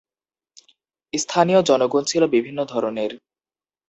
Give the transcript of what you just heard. স্থানীয় জনগণ ছিল বিভিন্ন ধরনের।